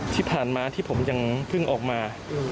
ที่ผ่านมาที่ผมยังเพิ่งออกมา